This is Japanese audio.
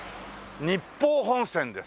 日豊本線です。